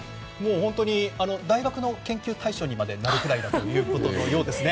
大学の研究対象にまでなるくらいだということですね。